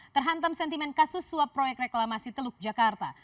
terhantam sentimen kasus suap proyek reklamasi teluk jakarta